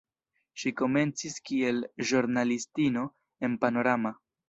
Ŝi komencis kiel ĵurnalistino en "Panorama".